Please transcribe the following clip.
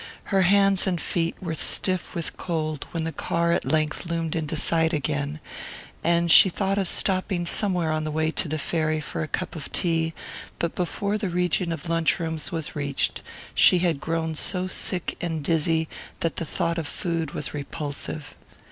Her hands and feet were stiff with cold when the car at length loomed into sight again, and she thought of stopping somewhere on the way to the ferry for a cup of tea; but before the region of lunch rooms was reached she had grown so sick and dizzy that the thought of food was repulsive.